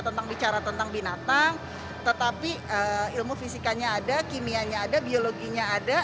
tentang bicara tentang binatang tetapi ilmu fisikanya ada kimianya ada biologinya ada